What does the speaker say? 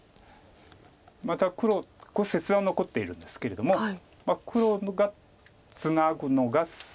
また黒切断が残っているんですけれども黒がツナぐのが先手なんです。